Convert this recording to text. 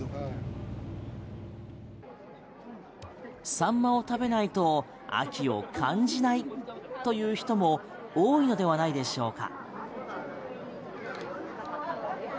サンマを食べないと秋を感じないという人も多いのではないでしょうか？